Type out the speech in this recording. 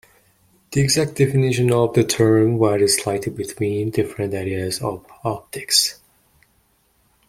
The exact definition of the term varies slightly between different areas of optics.